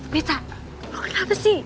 mita lo kenapa sih